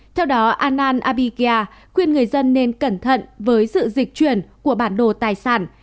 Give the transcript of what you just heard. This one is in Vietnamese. theo đó anand abhigya khuyên người dân nên cẩn thận với sự dịch chuyển của bản đồ tài sản